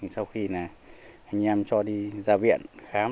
sau khi là anh em cho đi ra viện khám